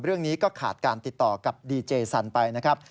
เรื่องนี้ก็ขาดการติดต่อกับดีเจสันไปนะครับ